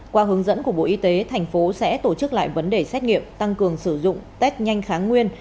qua hướng dẫn của bộ y tế thành phố sẽ tổ chức lại vấn đề xét nghiệm tăng cường sử dụng test nhanh kháng nguyên